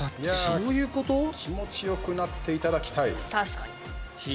気持ちよくなっていただきたい。